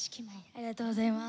ありがとうございます。